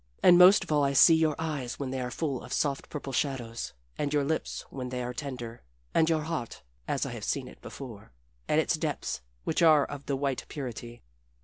And most of all I see your eyes when they are full of soft purple shadows, and your lips when they are tender and your heart, as I have seen it before, and its depths which are of the white purity.